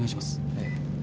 ええ。